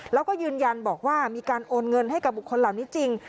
แล้วก็ยืนยันบอกว่ามีการโอนเงินให้กับบุคคลเหล่านี้จริง